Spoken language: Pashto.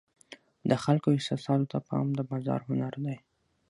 د خلکو احساساتو ته پام د بازار هنر دی.